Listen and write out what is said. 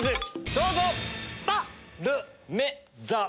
どうぞ。